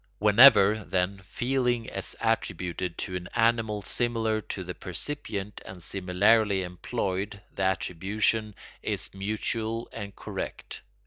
Whenever, then, feeling is attributed to an animal similar to the percipient and similarly employed the attribution is mutual and correct.